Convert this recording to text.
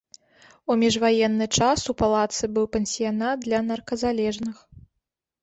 У міжваенны час у палацы быў пансіянат для нарказалежных.